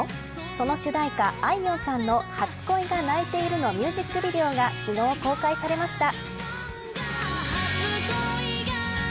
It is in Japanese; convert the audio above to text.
その主題歌、あいみょんさんの初恋が泣いているのミュージックビデオが昨日公開されました。